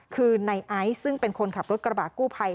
คือในไอซ์ซึ่งเป็นคนขับรถกระบะกู้ภัย